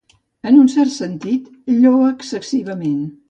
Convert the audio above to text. En un cert sentit, lloa excessivament.